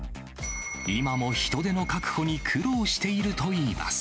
今も人手の確保に苦労しているといいます。